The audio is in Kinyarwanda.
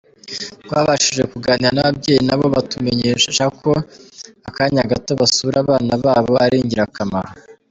Twabashije kuganira n’ababyeyi nabo batumenyesha ko akanya gato basura abana babo ari ingirakamaro.